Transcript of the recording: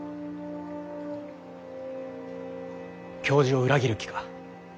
教授を裏切る気か？